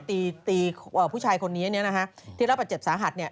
ตีผู้ชายคนนี้นะฮะที่รับอาจเจ็บสาหัส